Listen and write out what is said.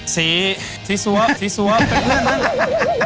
ซีซีซัวร์ซีซัวร์เป็นเพื่อนมั้ง